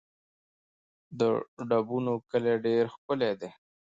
د ډبونو کلی ډېر ښکلی دی